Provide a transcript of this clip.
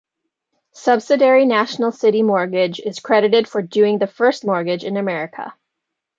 Subsidiary National City Mortgage is credited for doing the first mortgage in America.